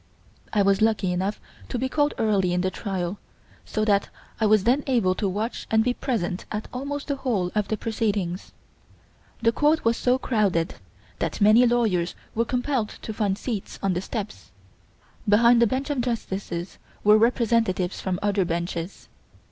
I was lucky enough to be called early in the trial, so that I was then able to watch and be present at almost the whole of the proceedings. The court was so crowded that many lawyers were compelled to find seats on the steps. Behind the bench of justices were representatives from other benches.